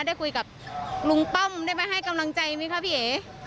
ได้คุยกับลุงป้อมได้ไปให้กำลังใจไหมคะพี่เอ๋